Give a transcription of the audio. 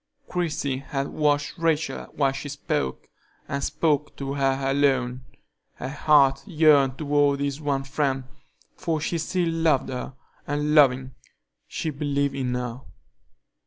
Christie had watched Rachel while she spoke, and spoke to her alone; her heart yearned toward this one friend, for she still loved her, and, loving, she believed in her.